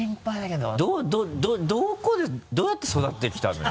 どこでどうやって育ってきたのよ？